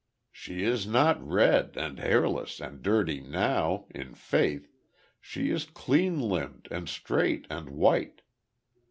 She is not red, and hairless, and dirty now, in faith! She is clean limbed, and straight, and white.